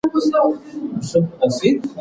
خصوصي سکتور تجربې لري.